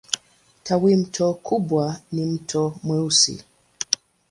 Tawimto kubwa ni Mto Mweusi.